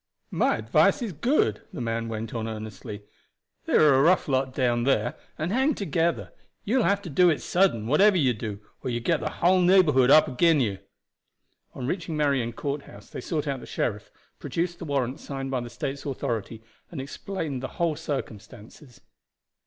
"My advice is good," the man went on earnestly. "They are a rough lot down there, and hang together. You will have to do it sudden, whatever you do, or you will get the hull neighborhood up agin you." On reaching Marion Courthouse they sought out the sheriff, produced the warrant signed by the States' authority, and explained the whole circumstances.